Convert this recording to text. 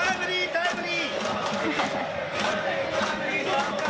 タイムリー！